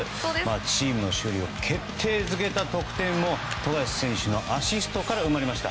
チームの勝利を決定づけた得点が富樫選手のアシストから生まれました。